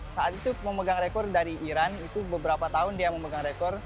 saat itu memegang rekor dari iran itu beberapa tahun